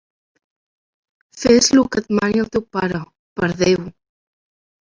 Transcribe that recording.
Fes lo que et mani el teu pare, per Déu!